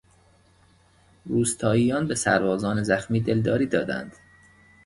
روستاییان به سربازان زخمی دلداری دادند.